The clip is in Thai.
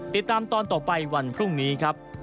ติดตามตอนต่อไปวันพรุ่งนี้ครับ